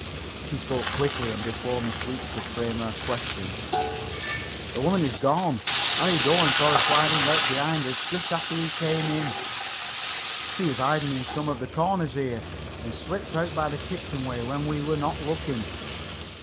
She spoke quickly and before Miss Weeks could frame her question. "The woman is gone. Harry Doane saw her sliding out behind us just after we came in. She was hiding in some of the corners here, and slipped out by the kitchen way when we were not looking.